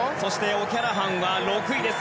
オキャラハンは６位です。